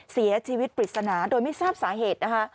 เสียชีวิตปริศนาโดยไม่ทราบสาเหตุนะคะ